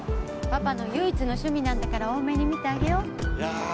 パパの唯一の趣味なんだから大目に見てあげよう。